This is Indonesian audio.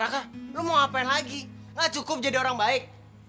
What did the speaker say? kakak lu mau ngapain lagi gak cukup jadi orang baik